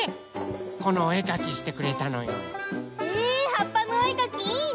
このおえかきしてくれたのよ。えはっぱのおえかきいいね。